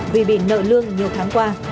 vì bị nợ lương nhiều tháng qua